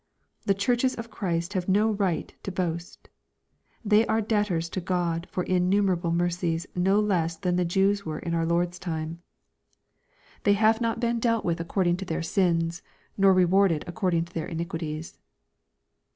The churches of Christ have no right to Doast. They are debtors to God for innumerable mercies, no less than the Jews were in our Lord's time. The^ LUKE, CHAP. XX. 32 1 nave not been dealt with according to their sinsj nor re warded according to their iniquities.